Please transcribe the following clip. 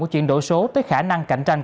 của chuyển đổi số tới khả năng cạnh tranh